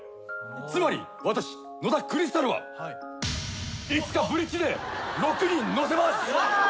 つまり私野田クリスタルはいつかブリッジで６人乗せます。